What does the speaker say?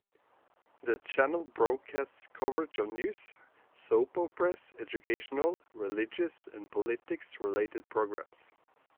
The channel broadcasts coverage of news, soap operas, educational, religious and politics related programs.